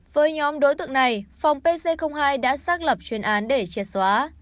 với nhóm đối tượng này phòng pc hai đã xác lập chuyên án để triệt xóa